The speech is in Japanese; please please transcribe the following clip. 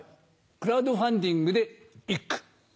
クラウドファンディングで一句。